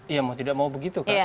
ya mau tidak mau begitu